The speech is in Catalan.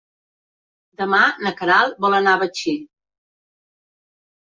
Demà na Queralt vol anar a Betxí.